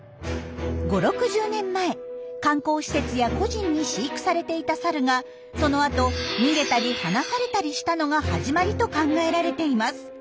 ５０６０年前観光施設や個人に飼育されていたサルがそのあと逃げたり放されたりしたのが始まりと考えられています。